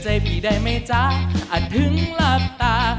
ใจพี่ได้ไหมจ๊ะอาจถึงลับตา